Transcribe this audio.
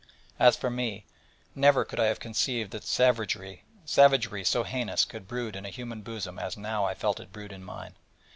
As for me, never could I have conceived that savagery so heinous could brood in a human bosom as now I felt it brood in mine.